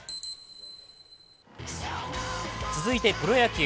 続いてプロ野球。